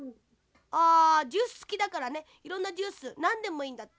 あジュースつきだからねいろんなジュースなんでもいいんだって。